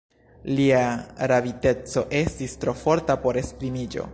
Lia raviteco estis tro forta por esprimiĝo.